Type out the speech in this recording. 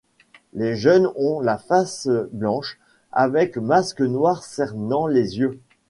Les jeunes ont la face blanche avec masque noir cernant les yeux.